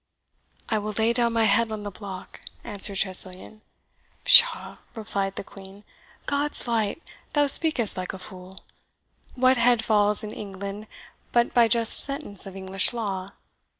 "I will lay down my head on the block," answered Tressilian. "Pshaw!" replied the Queen, "God's light! thou speakest like a fool. What head falls in England but by just sentence of English law?